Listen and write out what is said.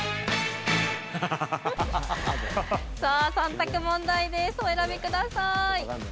さあ３択問題ですお選びください